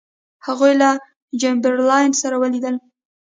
هغوی له چمبرلاین سره ولیدل.